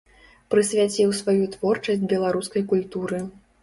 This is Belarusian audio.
Прысвяціў сваю творчасць беларускай культуры.